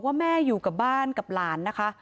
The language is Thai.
ว่าแม่อยู่กับบ้านกับหลานนะคะ